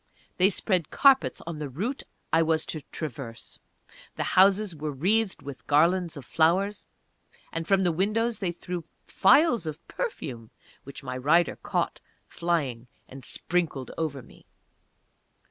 They spread carpets on the route I was to traverse; the houses were wreathed with garlands of flowers, and from the windows they threw phials of perfume, which my rider caught, flying, and sprinkled over me.